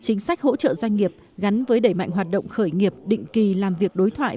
chính sách hỗ trợ doanh nghiệp gắn với đẩy mạnh hoạt động khởi nghiệp định kỳ làm việc đối thoại